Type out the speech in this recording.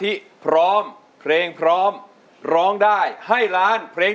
ทั้งในเรื่องของการทำงานเคยทำนานแล้วเกิดปัญหาน้อย